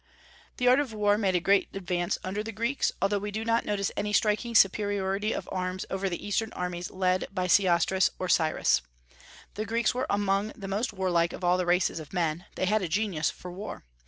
The art of war made a great advance under the Greeks, although we do not notice any striking superiority of arms over the Eastern armies led by Sesostris or Cyrus. The Greeks were among the most warlike of all the races of men; they had a genius for war.